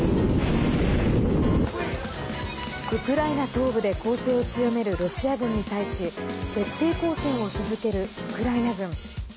ウクライナ東部で攻勢を強めるロシア軍に対し徹底抗戦を続けるウクライナ軍。